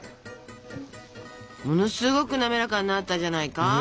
ものすごく滑らかになったんじゃないか？